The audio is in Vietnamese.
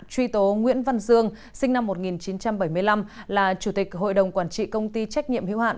truy tố nguyễn văn dương sinh năm một nghìn chín trăm bảy mươi năm là chủ tịch hội đồng quản trị công ty trách nhiệm hữu hạn